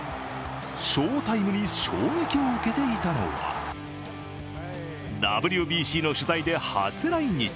翔タイムに衝撃を受けていたのは、ＷＢＣの取材で初来日。